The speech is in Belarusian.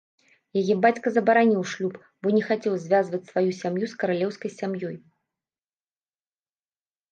Яе бацька забараніў шлюб, бо не хацеў звязваць сваю сям'ю з каралеўскай сям'ёй.